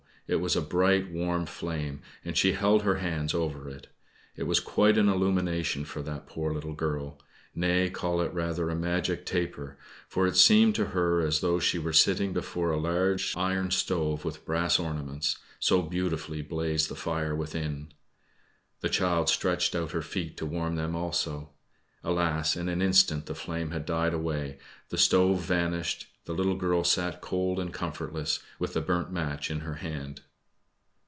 it was a bright, warm flame, and she held her hands over it. It was quite an illumination for that poor little girl nay, call it rather a magic taper for it seemed to her as though she were sitting before a large iron stove with brass ornaments, so beautifully blazed the fire within! The child stretched out her feet to warm them also. Alas! in an instant the flame had died away, the stove vanished, the little girl sat cold and comfortless, with the burnt match in her hand.